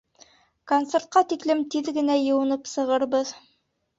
Концертҡа тиклем тиҙ генә йыуынып сығырбыҙ.